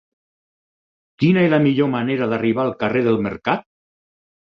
Quina és la millor manera d'arribar al carrer del Mercat?